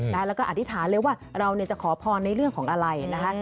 แล้วก็อธิษฐานเลยว่าเราจะขอพรในเรื่องของอะไรนะคะ